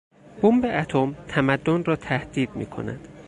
بمب اتم تمدن را تهدید میکند.